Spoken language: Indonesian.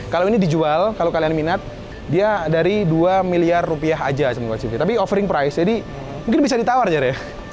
kalau ini dijual kalau kalian minat dia dari dua miliar rupiah aja semua cv tapi offering price jadi mungkin bisa ditawar jari